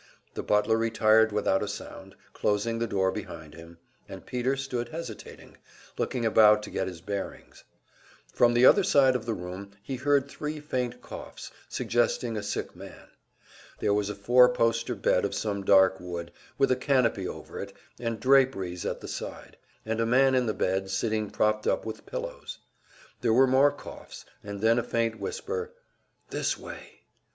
The butler retired without a sound, closing the door behind him and Peter stood hesitating, looking about to get his bearings. From the other side of the room he heard three faint coughs, suggesting a sick man. There was a four poster bed of some dark wood, with a canopy over it and draperies at the side, and a man in the bed, sitting propped up with pillows. There were more coughs, and then a faint whisper, "This way."